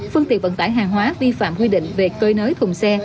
phương tiện vận tải hàng hóa vi phạm quy định về cơi nới thùng xe